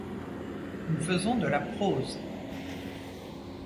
Nous faisons de la prose.